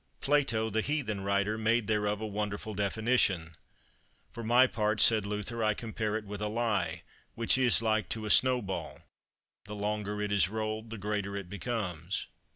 Plato, the Heathen writer, made thereof a wonderful definition. For my part, said Luther, I compare it with a lie, which is like to a snowball, the longer it is rolled the greater it becomes.